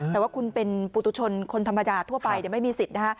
แต่ว่าคุณเป็นปุตุชนคนธรรมดาทั่วไปไม่มีสิทธิ์นะฮะ